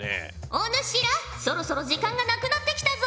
お主らそろそろ時間がなくなってきたぞ。